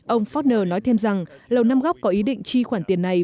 ông fortner nói thêm rằng lầu năm góc có ý định chi khoản tiền này